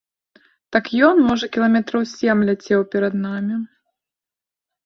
Так ён, можа, кіламетраў сем ляцеў перад намі.